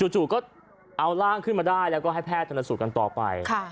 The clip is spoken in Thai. จู่ก็เอาร่างขึ้นมาได้แล้วก็ให้แพทย์ชนสูตรกันต่อไป